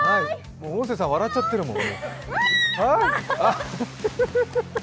もう、音声さん、笑っちゃってるもん。